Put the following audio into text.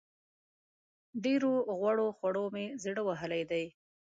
ډېرو غوړو خوړو مې زړه وهلی دی.